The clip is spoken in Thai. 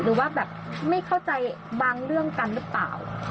หรือว่าแบบไม่เข้าใจบางเรื่องกันหรือเปล่า